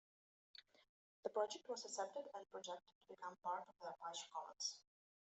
The project was accepted, and projected to become part of the Apache Commons.